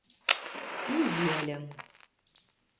...Изи ыльым...